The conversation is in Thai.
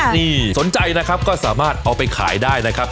นี่สนใจนะครับก็สามารถเอาไปขายได้นะครับ